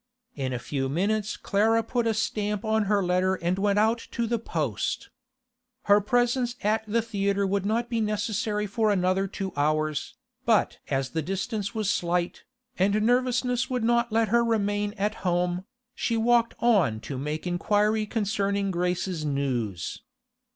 In a few minutes Clara put a stamp on her letter and went out to the post. Her presence at the theatre would not be necessary for another two hours, but as the distance was slight, and nervousness would not let her remain at home, she walked on to make inquiry concerning Grace's news.